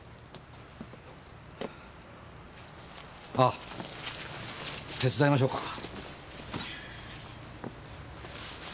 あ手伝いましょうか？